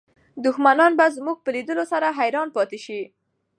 دښمنان به زموږ په لیدلو سره حیران پاتې شي.